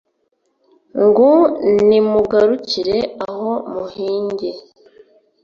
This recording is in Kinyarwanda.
Ngo: "Nimugarukire aho muhinge